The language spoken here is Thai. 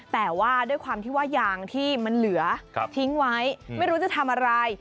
แต่ว่าด้วยความที่ว่ายางที่มันเหลือทิ้งไว้ไม่รู้จะทำอะไร